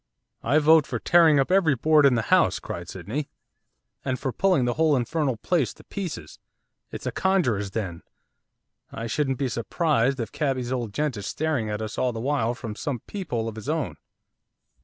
'I vote for tearing up every board in the house!' cried Sydney. 'And for pulling the whole infernal place to pieces. It's a conjurer's den. I shouldn't be surprised if cabby's old gent is staring at us all the while from some peephole of his own.